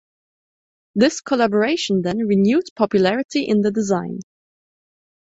This collaboration then renewed popularity in the design.